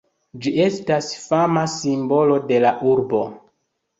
Ĝi estas fama simbolo de la urbo.